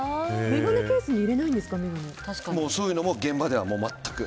眼鏡ケースに入れないんですかそういうのも現場では全く。